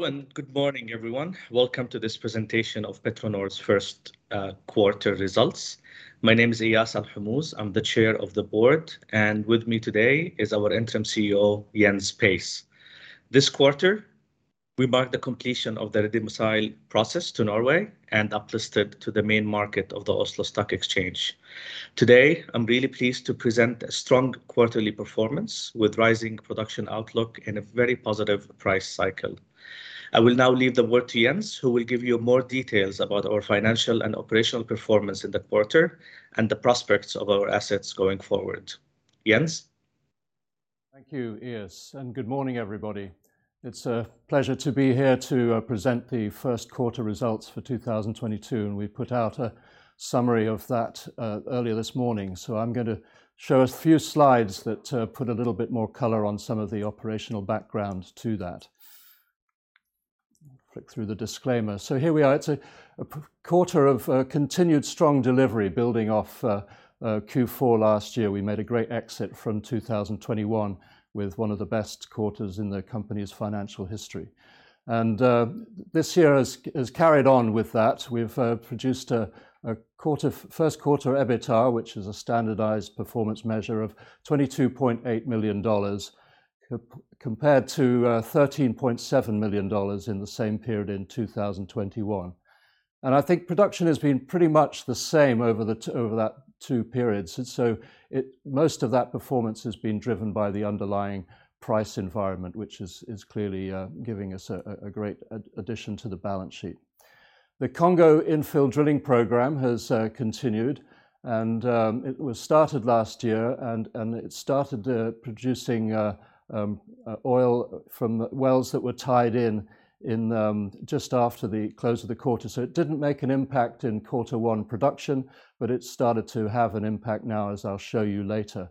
Hello and good morning, everyone. Welcome to this presentation of PetroNor E&P's first quarter results. My name is Eyas Alhomouz. I'm the Chair of the Board, and with me today is our interim CEO, Jens Pace. This quarter, we mark the completion of the redomicile process to Norway and uplisted to the main market of the Oslo Stock Exchange. Today, I'm really pleased to present a strong quarterly performance with rising production outlook and a very positive price cycle. I will now leave the word to Jens, who will give you more details about our financial and operational performance in the quarter and the prospects of our assets going forward. Jens. Thank you, Eyas, and good morning, everybody. It's a pleasure to be here to present the first quarter results for 2022, and we put out a summary of that earlier this morning. I'm gonna show a few slides that put a little bit more color on some of the operational background to that. Flick through the disclaimer. Here we are. It's a quarter of continued strong delivery building off Q4 last year. We made a great exit from 2021 with one of the best quarters in the company's financial history. This year has carried on with that. We've produced a first quarter EBITDA, which is a standardized performance measure of $22.8 million compared to $13.7 million in the same period in 2021. I think production has been pretty much the same over that two periods. Most of that performance has been driven by the underlying price environment, which is clearly giving us a great addition to the balance sheet. The Congo infill drilling program has continued, and it was started last year, and it started producing oil from wells that were tied in just after the close of the quarter. It didn't make an impact in quarter one production, but it started to have an impact now, as I'll show you later.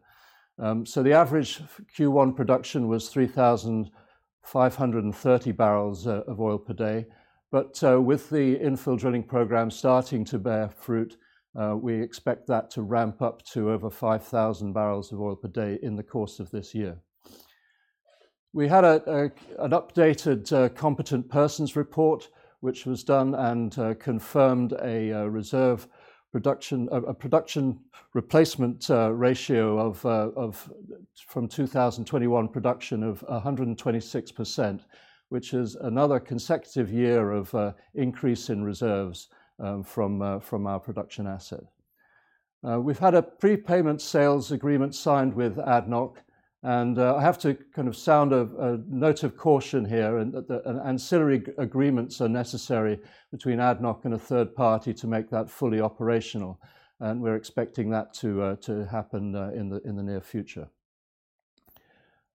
The average Q1 production was 3,500 barrels of oil per day. With the infill drilling program starting to bear fruit, we expect that to ramp up to over 5,000 barrels of oil per day in the course of this year. We had an updated competent persons report, which was done and confirmed a production replacement ratio of from 2021 production of 126%, which is another consecutive year of increase in reserves from our production asset. We've had a prepayment sales agreement signed with ADNOC, and I have to kind of sound a note of caution here in that the ancillary agreements are necessary between ADNOC and a third party to make that fully operational. We're expecting that to happen in the near future.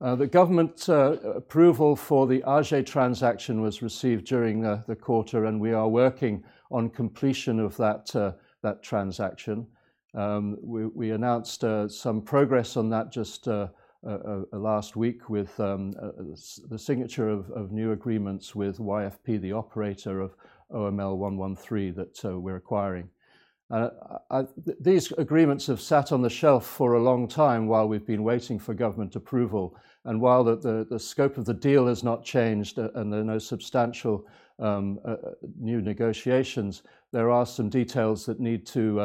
The government approval for the Aje transaction was received during the quarter, and we are working on completion of that transaction. We announced some progress on that just last week with the signature of new agreements with YFP, the operator of OML 113 that we're acquiring. These agreements have sat on the shelf for a long time while we've been waiting for government approval. While the scope of the deal has not changed and there are no substantial new negotiations, there are some details that need to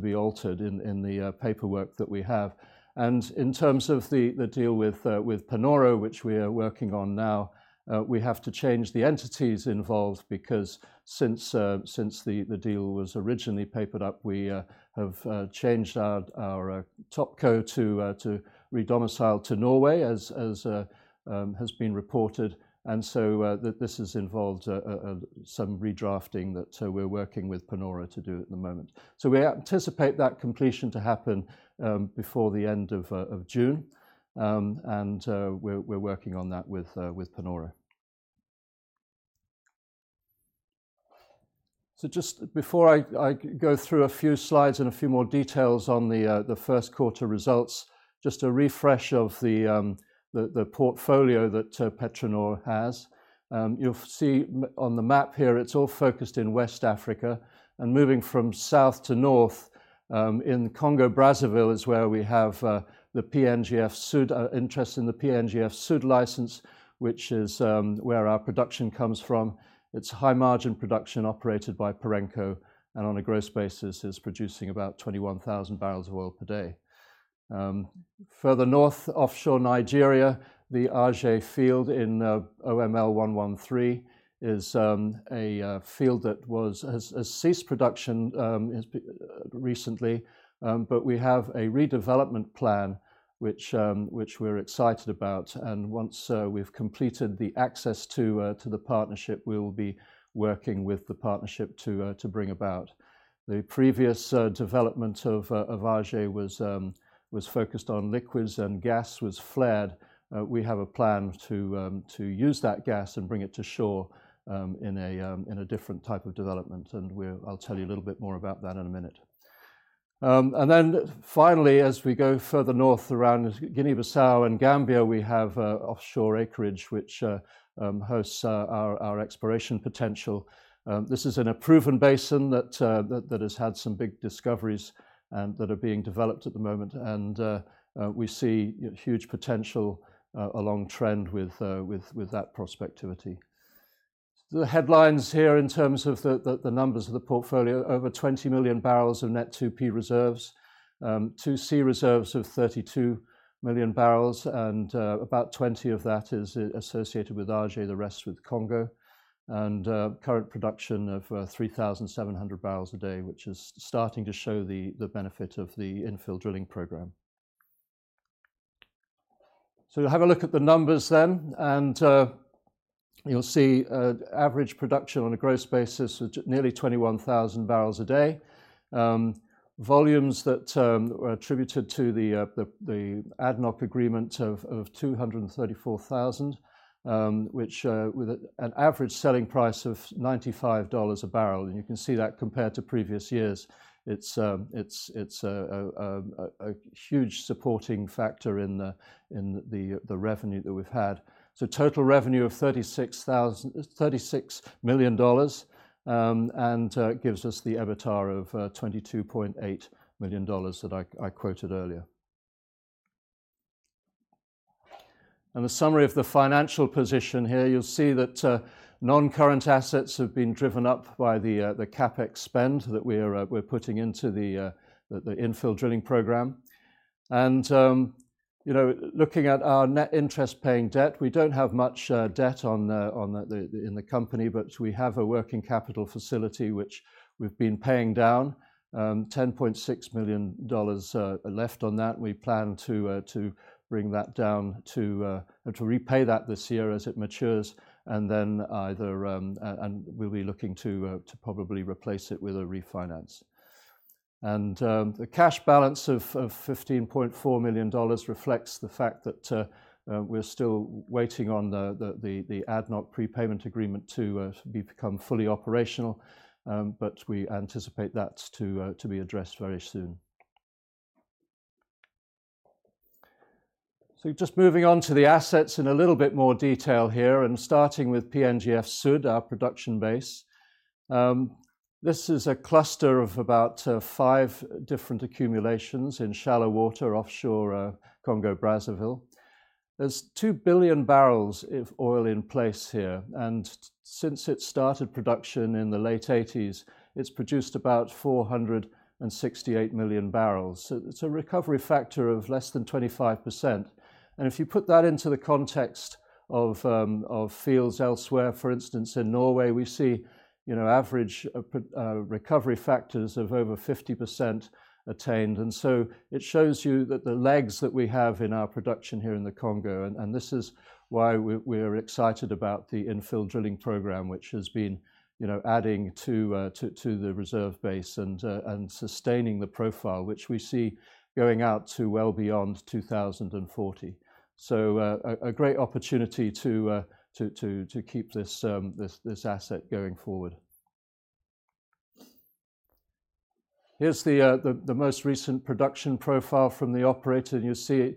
be altered in the paperwork that we have. In terms of the deal with PetroNor, which we are working on now, we have to change the entities involved because since the deal was originally papered up, we have changed our topco to redomicile to Norway as has been reported. This has involved some redrafting that we're working with PetroNor to do at the moment. We anticipate that completion to happen before the end of June. We're working on that with PetroNor. Just before I go through a few slides and a few more details on the first quarter results, just a refresh of the portfolio that PetroNor has. You'll see on the map here, it's all focused in West Africa. Moving from south to north, in Congo Brazzaville is where we have the PNGF Sud interest in the PNGF Sud license, which is where our production comes from. It's high margin production operated by Perenco, and on a gross basis is producing about 21,000 barrels of oil per day. Further north, offshore Nigeria, the Aje field in OML 113 is a field that has ceased production recently. We have a redevelopment plan which we're excited about. Once we've completed the acquisition to the partnership, we will be working with the partnership to bring about. The previous development of Aje was focused on liquids, and gas was flared. We have a plan to use that gas and bring it to shore in a different type of development, and I'll tell you a little bit more about that in a minute. Finally, as we go further north around Guinea-Bissau and Gambia, we have offshore acreage which hosts our exploration potential. This is in a proven basin that has had some big discoveries and that are being developed at the moment. We see huge potential along trend with that prospectivity. The headlines here in terms of the numbers of the portfolio, over 20 million barrels of net 2P reserves, 2C reserves of 32 million barrels and about 20 of that is associated with Aje, the rest with Congo. Current production of 3,700 barrels a day, which is starting to show the benefit of the infill drilling program. Have a look at the numbers then. You'll see average production on a gross basis which at nearly 21,000 barrels a day. Volumes that were attributed to the ADNOC agreement of 234,000, which with an average selling price of $95 a barrel. You can see that compared to previous years, it's a huge supporting factor in the revenue that we've had. Total revenue of $36 million, and gives us the EBITDA of $22.8 million that I quoted earlier. The summary of the financial position here, you'll see that non-current assets have been driven up by the CapEx spend that we're putting into the infill drilling program. You know, looking at our net interest-bearing debt, we don't have much debt in the company, but we have a working capital facility which we've been paying down. $10.6 million left on that. We plan to bring that down to repay that this year as it matures and then either and we'll be looking to probably replace it with a refinance. The cash balance of $15.4 million reflects the fact that we're still waiting on the ADNOC prepayment agreement to become fully operational. We anticipate that to be addressed very soon. Just moving on to the assets in a little bit more detail here and starting with PNGF Sud, our production base. This is a cluster of about five different accumulations in shallow water offshore Congo Brazzaville. There's 2 billion barrels of oil in place here, and since it started production in the late 1980s, it's produced about 468 million barrels. It's a recovery factor of less than 25%. If you put that into the context of fields elsewhere, for instance, in Norway, we see, you know, average recovery factors of over 50% attained. It shows you that the legs that we have in our production here in the Congo, and this is why we are excited about the infill drilling program, which has been, you know, adding to the reserve base and sustaining the profile which we see going out to well beyond 2040. A great opportunity to keep this asset going forward. Here's the most recent production profile from the operator. You see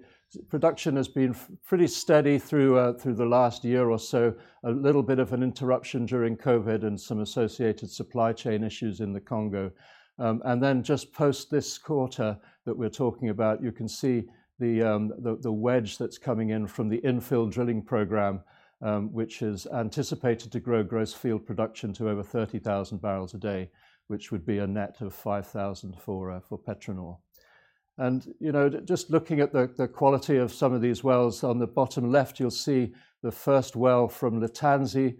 production has been pretty steady through the last year or so. A little bit of an interruption during COVID and some associated supply chain issues in the Congo. Then just post this quarter that we're talking about, you can see the wedge that's coming in from the infill drilling program, which is anticipated to grow gross field production to over 30,000 barrels a day, which would be a net of 5,000 for PetroNor. You know, just looking at the quality of some of these wells on the bottom left, you'll see the first well from Litanzi,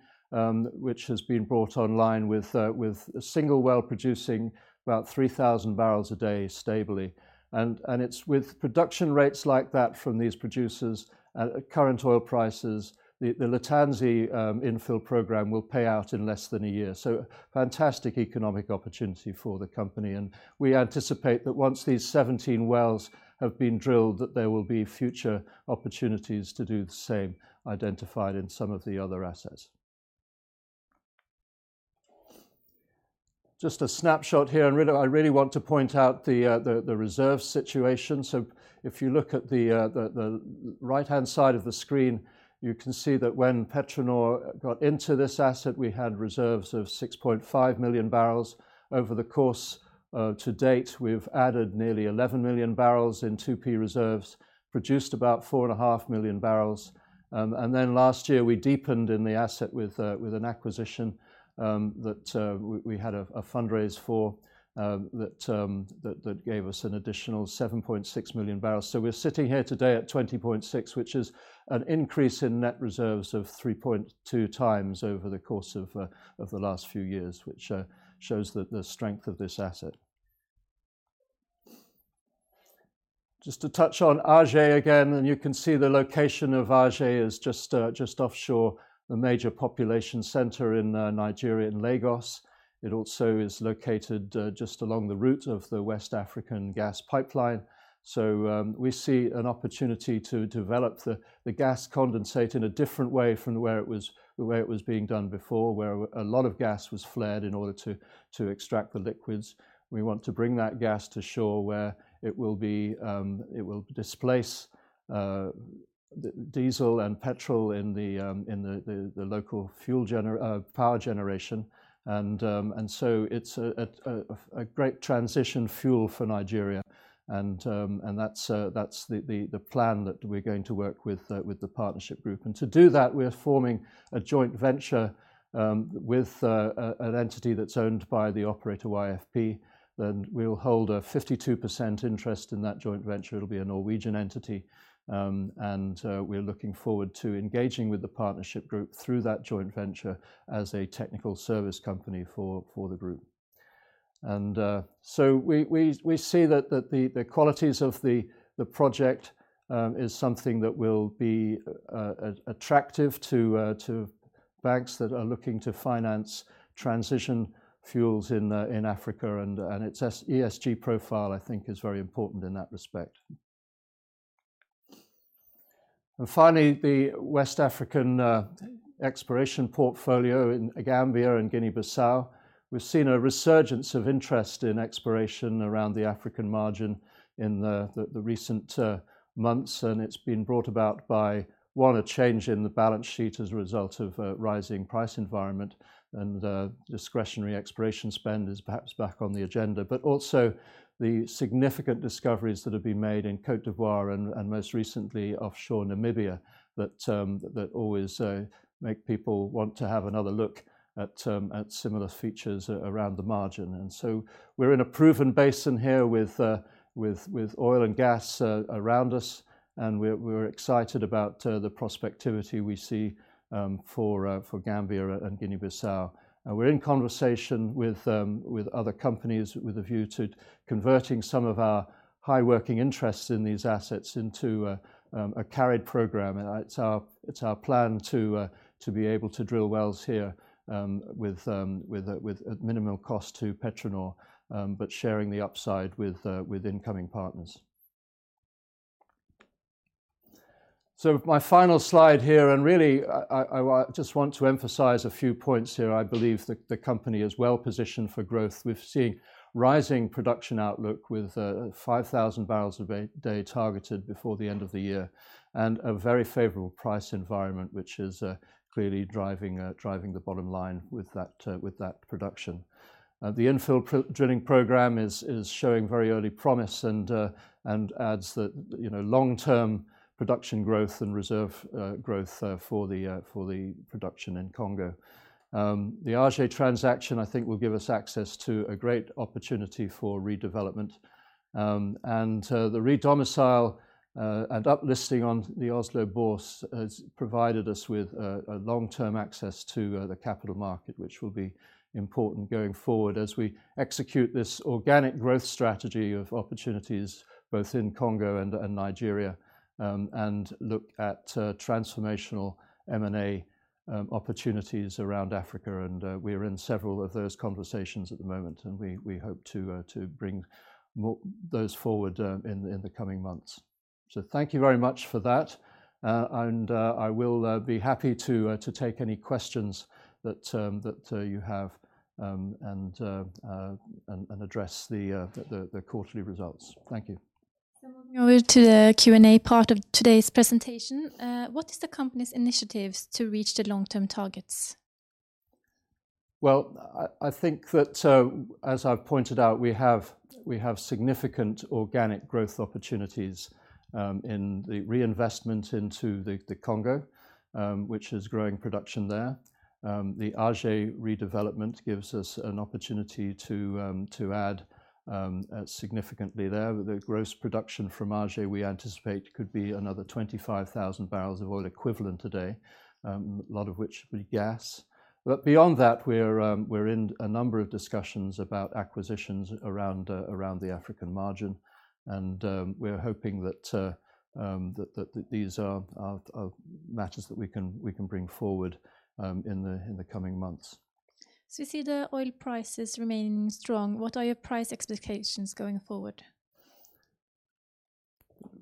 which has been brought online with a single well producing about 3,000 barrels a day stably. It's with production rates like that from these producers at current oil prices, the Litanzi infill program will pay out in less than a year. Fantastic economic opportunity for the company. We anticipate that once these 17 wells have been drilled, that there will be future opportunities to do the same identified in some of the other assets. Just a snapshot here, really I really want to point out the reserve situation. If you look at the right-hand side of the screen, you can see that when PetroNor got into this asset, we had reserves of 6.5 million barrels. Over the course to date, we've added nearly 11 million barrels in 2P reserves, produced about 4.5 million barrels. Last year, we deepened in the asset with an acquisition that we had a fundraise for that gave us an additional 7.6 million barrels. We're sitting here today at 20.6 million, which is an increase in net reserves of 3.2x over the course of the last few years, which shows the strength of this asset. Just to touch on Aje again, you can see the location of Aje is just offshore the major population center in Nigeria in Lagos. It also is located just along the route of the West African Gas Pipeline. We see an opportunity to develop the gas condensate in a different way from where it was being done before, where a lot of gas was flared in order to extract the liquids. We want to bring that gas to shore where it will displace the diesel and petrol in the local power generation. It's a great transition fuel for Nigeria and that's the plan that we're going to work with the partnership group. To do that, we are forming a joint venture with an entity that's owned by the operator YFP, and we'll hold a 52% interest in that joint venture. It'll be a Norwegian entity. We're looking forward to engaging with the partnership group through that joint venture as a technical service company for the group. We see that the qualities of the project is something that will be attractive to banks that are looking to finance transition fuels in Africa and its ESG profile I think is very important in that respect. Finally, the West African exploration portfolio in Gambia and Guinea-Bissau. We've seen a resurgence of interest in exploration around the African margin in the recent months, and it's been brought about by one, a change in the balance sheet as a result of a rising price environment and discretionary exploration spend is perhaps back on the agenda. Also the significant discoveries that have been made in Côte d'Ivoire and most recently offshore Namibia that always make people want to have another look at similar features around the margin. We're in a proven basin here with oil and gas around us, and we're excited about the prospectivity we see for Gambia and Guinea-Bissau. We're in conversation with other companies with a view to converting some of our high working interests in these assets into a carried program. It's our plan to be able to drill wells here with minimal cost to PetroNor but sharing the upside with incoming partners. My final slide here. Really, I just want to emphasize a few points here. I believe the company is well-positioned for growth. We've seen rising production outlook with 5,000 barrels a day targeted before the end of the year and a very favorable price environment, which is clearly driving the bottom line with that production. The infill drilling program is showing very early promise and adds the, you know, long-term production growth and reserve growth for the production in Congo. The Aje transaction I think will give us access to a great opportunity for redevelopment. The redomicile and uplisting on the Oslo Børs has provided us with a long-term access to the capital market, which will be important going forward as we execute this organic growth strategy of opportunities both in Congo and Nigeria, and look at transformational M&A opportunities around Africa and we're in several of those conversations at the moment, and we hope to bring more of those forward in the coming months. Thank you very much for that. I will be happy to take any questions that you have and address the quarterly results. Thank you. Moving over to the Q&A part of today's presentation. What is the company's initiatives to reach the long-term targets? Well, I think that, as I've pointed out, we have significant organic growth opportunities in the reinvestment into the Congo, which is growing production there. The Aje redevelopment gives us an opportunity to add significantly there. The gross production from Aje we anticipate could be another 25,000 barrels of oil equivalent a day, a lot of which will be gas. Beyond that, we're in a number of discussions about acquisitions around the African margin and we're hoping that these are matters that we can bring forward in the coming months. We see the oil prices remain strong. What are your price expectations going forward?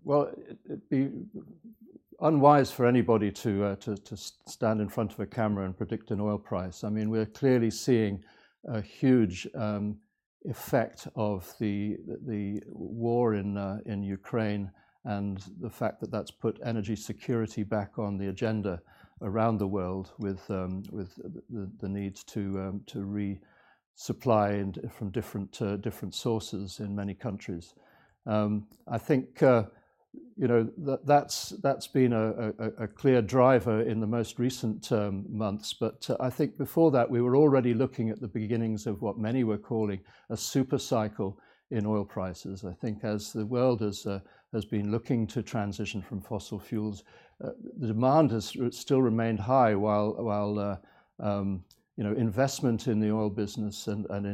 Well, it'd be unwise for anybody to stand in front of a camera and predict an oil price. I mean, we're clearly seeing a huge effect of the war in Ukraine and the fact that that's put energy security back on the agenda around the world with the needs to resupply and from different sources in many countries. I think, you know, that's been a clear driver in the most recent months. I think before that, we were already looking at the beginnings of what many were calling a super cycle in oil prices. I think as the world has been looking to transition from fossil fuels, the demand has still remained high while, you know, investment in the oil business and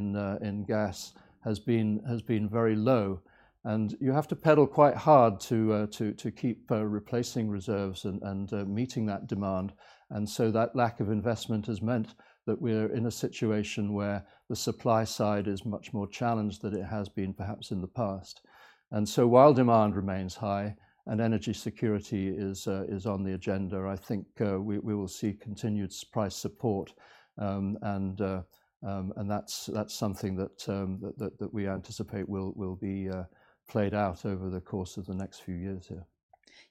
in gas has been very low. You have to pedal quite hard to keep replacing reserves and meeting that demand. That lack of investment has meant that we're in a situation where the supply side is much more challenged than it has been perhaps in the past. While demand remains high and energy security is on the agenda, I think we will see continued price support. That's something that we anticipate will be played out over the course of the next few years here.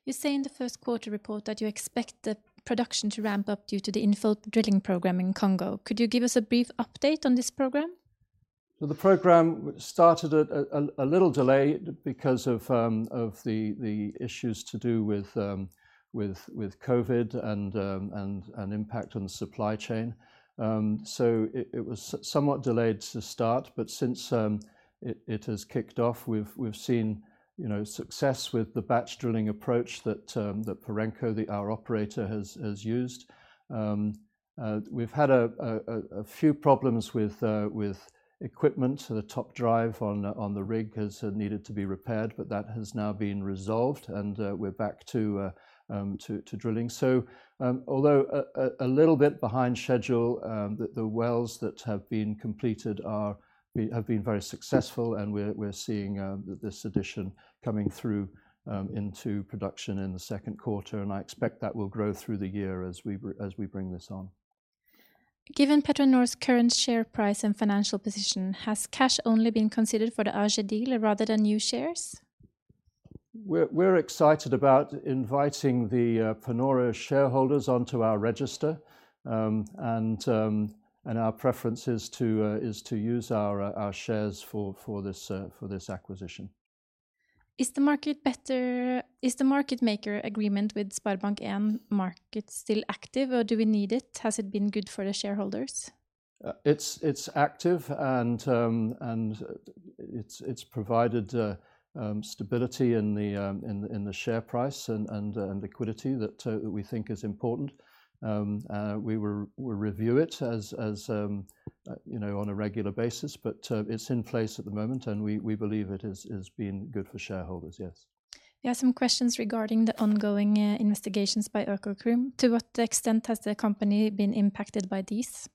You say in the first quarter report that you expect the production to ramp up due to the infill drilling program in Congo. Could you give us a brief update on this program? Well, the program started a little delayed because of the issues to do with COVID and impact on supply chain. It was somewhat delayed to start, but since it has kicked off, we've seen, you know, success with the batch drilling approach that Perenco, our operator, has used. We've had a few problems with equipment. The top drive on the rig has needed to be repaired, but that has now been resolved, and we're back to drilling. Although a little bit behind schedule, the wells that have been completed are. We have been very successful and we're seeing this addition coming through into production in the second quarter, and I expect that will grow through the year as we bring this on. Given PetroNor's current share price and financial position, has cash only been considered for the Aje deal rather than new shares? We're excited about inviting the Panoro shareholders onto our register. Our preference is to use our shares for this acquisition. Is the market maker agreement with SpareBank 1 Markets still active, or do we need it? Has it been good for the shareholders? It's active, and it's provided stability in the share price and in liquidity that we think is important. We will review it, as you know, on a regular basis. It's in place at the moment, and we believe it has been good for shareholders, yes. We have some questions regarding the ongoing investigations by Økokrim. To what extent has the company been impacted by this?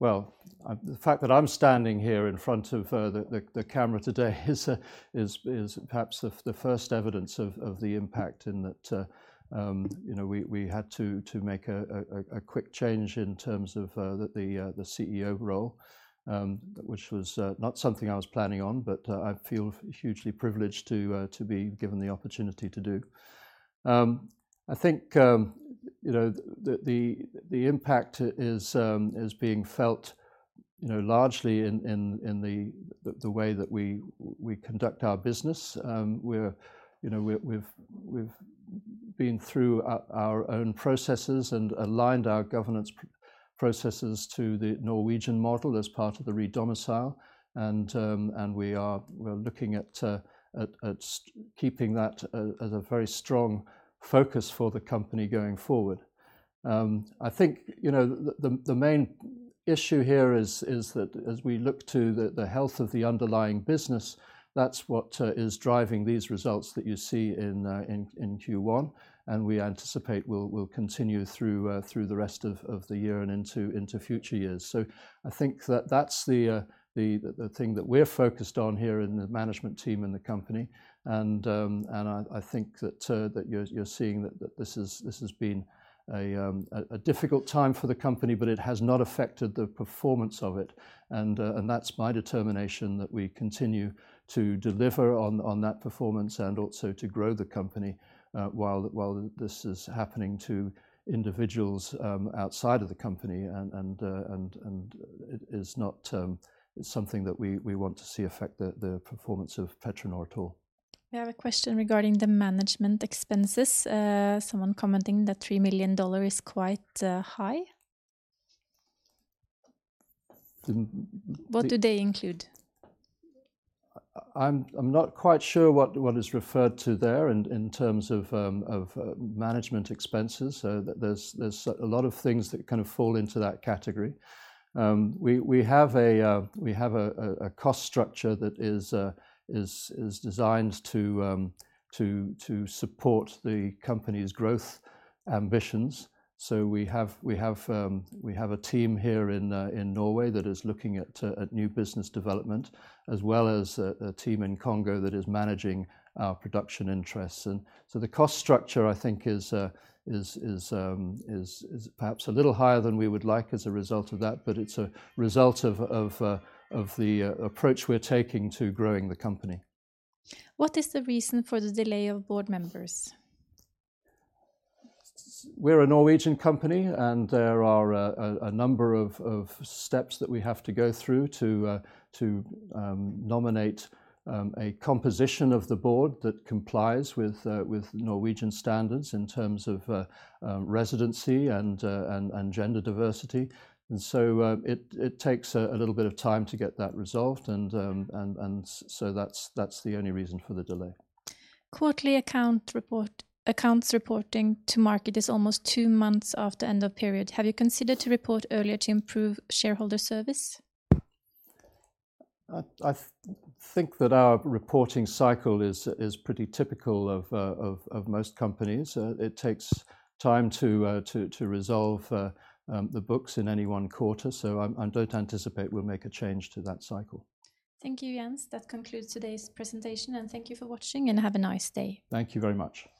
The fact that I'm standing here in front of the camera today is perhaps the first evidence of the impact and that you know, we had to make a quick change in terms of the CEO role, which was not something I was planning on, but I feel hugely privileged to be given the opportunity to do. I think you know, the impact is being felt you know, largely in the way that we conduct our business. We're, you know, we've been through our own processes and aligned our governance processes to the Norwegian model as part of the redomicile, and we are looking at keeping that as a very strong focus for the company going forward. I think, you know, the main issue here is that as we look to the health of the underlying business, that's what is driving these results that you see in Q1, and we anticipate will continue through the rest of the year and into future years. I think that that's the thing that we're focused on here in the management team in the company, and I think that you're seeing that this has been a difficult time for the company, but it has not affected the performance of it. That's my determination that we continue to deliver on that performance and also to grow the company while this is happening to individuals outside of the company. It is not something that we want to see affect the performance of PetroNor at all. We have a question regarding the management expenses. Someone commenting that $3 million is quite high. The- What do they include? I'm not quite sure what is referred to there in terms of management expenses. There's a lot of things that kind of fall into that category. We have a cost structure that is designed to support the company's growth ambitions. We have a team here in Norway that is looking at new business development, as well as a team in Congo that is managing our production interests. The cost structure, I think, is perhaps a little higher than we would like as a result of that, but it's a result of the approach we're taking to growing the company. What is the reason for the delay of board members? We're a Norwegian company, and there are a number of steps that we have to go through to nominate a composition of the board that complies with Norwegian standards in terms of residency and gender diversity. It takes a little bit of time to get that resolved. That's the only reason for the delay. Quarterly accounts report. Accounts reporting to market is almost two months after end of period. Have you considered to report earlier to improve shareholder service? I think that our reporting cycle is pretty typical of most companies. It takes time to resolve the books in any one quarter. I don't anticipate we'll make a change to that cycle. Thank you, Jens. That concludes today's presentation, and thank you for watching and have a nice day. Thank you very much.